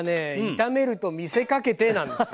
炒めると見せかけてなんですよ。